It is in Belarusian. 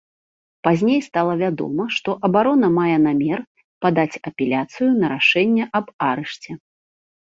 Пазней стала вядома, што абарона мае намер падаць апеляцыю на рашэнне аб арышце.